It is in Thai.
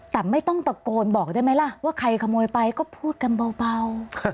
แต่ไม่ต้องตะโกนบอกได้ไหมล่ะว่าใครขโมยไปก็พูดกันเบา